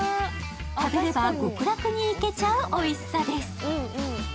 食べれば極楽に行けちゃうおいしさです。